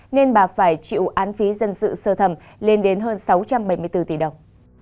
nên bà phải chịu án phí dân sự sơ thẩm lên đến hơn sáu trăm bảy mươi bốn tỷ đồng